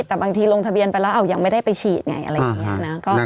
แต่บางทีลงทะเบียนไปแล้วยังไม่ได้ไปฉีดไงอะไรอย่างนี้นะ